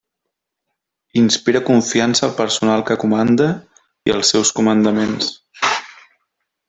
Inspira confiança al personal que comanda i als seus comandaments.